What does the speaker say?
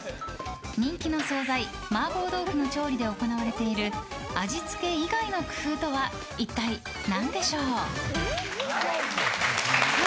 人気の総菜、麻婆豆腐の調理で行われている味付け以外の工夫とは一体何でしょう？